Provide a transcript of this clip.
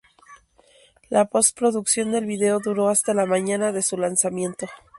La post-producción del video duró hasta la mañana de su lanzamiento.